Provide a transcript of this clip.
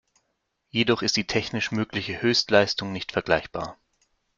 Jedoch ist die technisch mögliche Höchstleistung nicht vergleichbar.